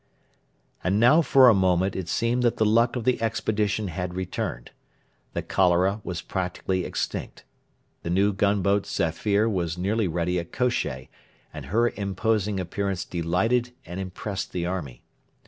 And now for a moment it seemed that the luck of the expedition had returned. The cholera was practically extinct. The new gunboat Zafir was nearly ready at Kosheh, and her imposing appearance delighted and impressed the army.